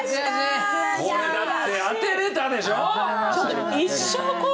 これだって当てれたでしょ。